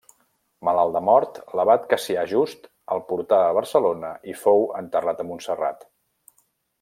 Malalt de mort, l'abat Cassià Just el portà a Barcelona i fou enterrat a Montserrat.